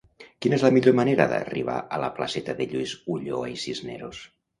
Quina és la millor manera d'arribar a la placeta de Lluís Ulloa i Cisneros?